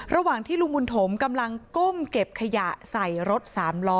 ระหว่างที่ลุงบุญถมกำลังก้มเก็บขยะใส่รถสามล้อ